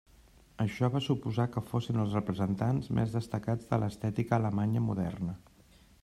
Això va suposar que fossin els representants més destacats de l'estètica alemanya moderna.